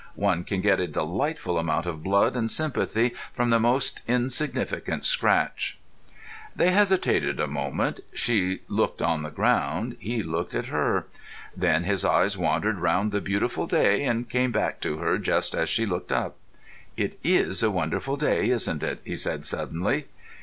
One can get a delightful amount of blood and sympathy from the most insignificant scratch. They hesitated a moment. She looked on the ground; he looked at her. Then his eyes wandered round the beautiful day, and came back to her just as she looked up. "It is a wonderful day, isn't it?" he said suddenly.